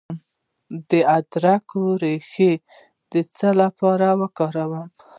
د ادرک ریښه د څه لپاره وکاروم؟